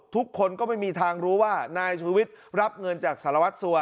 ทุกคนก็ไม่มีทางรู้ว่านายชูวิทย์รับเงินจากสารวัตรสัว